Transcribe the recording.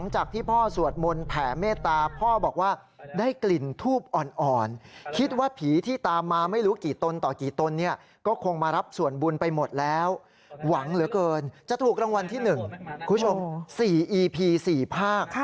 จะถูกรางวัลที่๑คุณผู้ชม๔อีพี๔ภาค